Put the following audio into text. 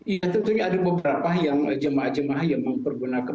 ya tentunya ada beberapa yang jemaah jemaah yang mempergunakan